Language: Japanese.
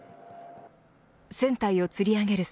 船体をつり上げる